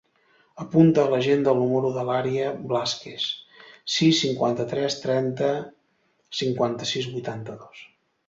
Apunta a l'agenda el número de l'Aria Blazquez: sis, cinquanta-tres, trenta, cinquanta-sis, vuitanta-dos.